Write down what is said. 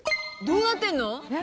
どうなってんの？